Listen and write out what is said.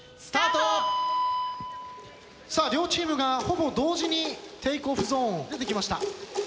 両チームがほぼ同時にテイクオフゾーン出てきました。